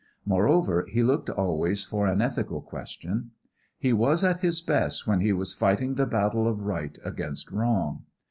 Moreover, he looked always for an ethical question. He was at his best when he was fighting me battle of right against wrong.